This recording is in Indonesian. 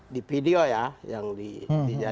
di video ya yang di intinya